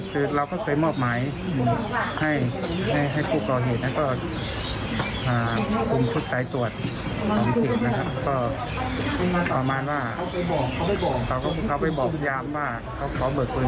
คือเราก็เคยมอบไม้ให้ผู้ก่อเหตุ